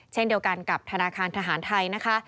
เช่นเดียวกันกับธนาคารทหารไทยนะคะ